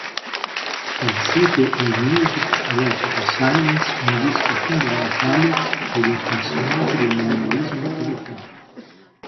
Il sito "AllMusic" reputa "Silence" un disco fondamentale per gli appassionati del minimalismo elettronico.